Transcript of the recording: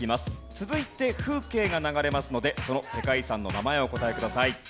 続いて風景が流れますのでその世界遺産の名前をお答えください。